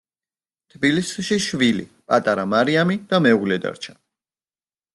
თბილისში შვილი, პატარა მარიამი და მეუღლე დარჩა.